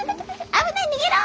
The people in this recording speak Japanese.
危ない逃げろ！